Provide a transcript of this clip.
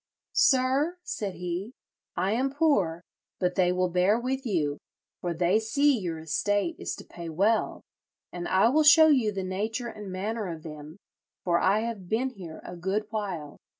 'Sir,' said he, 'I am poor; but they will bear with you, for they see your estate is to pay well; and I will show you the nature and manner of them, for I have been here a good while.